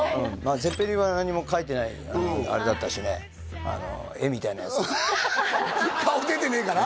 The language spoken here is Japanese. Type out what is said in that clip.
ツェッペリンは何も書いてないあれだったしねあの絵みたいなやつ顔出てねえから？